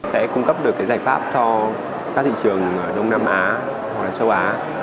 sẽ cung cấp được cái giải pháp cho các thị trường đông nam á hoặc là sâu á